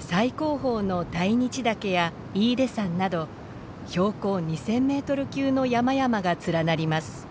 最高峰の大日岳や飯豊山など標高２，０００メートル級の山々が連なります。